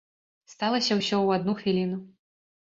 Сталася ўсё ў адну хвіліну.